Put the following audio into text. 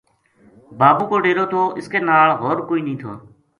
بابو کو ڈیرو تھو اس کے نال ہور کوئی نیہہ تھو